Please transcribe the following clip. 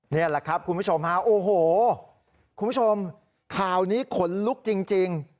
นี่แหละครับคุณผู้ชมฮะโอ้โหคุณผู้ชมข่าวนี้ขนลุกจริง